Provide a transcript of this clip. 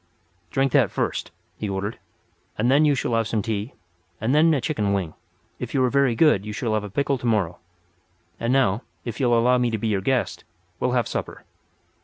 "Drink that first" he ordered, "and then you shall have some tea, and then a chicken wing. If you are very good you shall have a pickle to morrow. And now, if you'll allow me to be your guest we'll have supper."